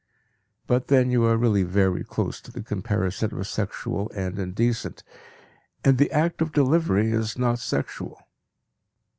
But then you are really very close to the comparison of sexual and indecent, and the act of delivery is not sexual.